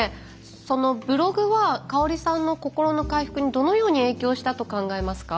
そのブログは香さんの心の回復にどのように影響したと考えますか？